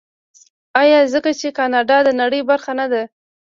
آیا ځکه چې کاناډا د نړۍ برخه نه ده؟